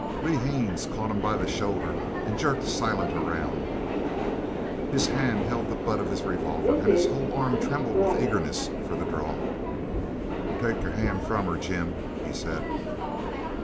Lee Haines caught him by the shoulder and jerked Silent around. His hand held the butt of his revolver, and his whole arm trembled with eagerness for the draw. "Take your hand from her, Jim!" he said.